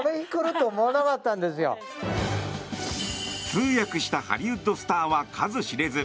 通訳したハリウッドスターは数知れず。